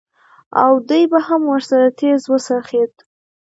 او دى به هم ورسره تېز وڅرخېد.